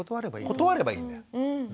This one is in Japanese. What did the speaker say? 断ればいいんだよ。